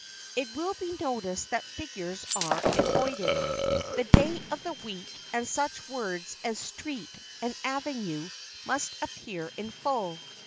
It will be noticed that figures are avoided. The day of the week, and such words as "street" and "avenue" must appear in full.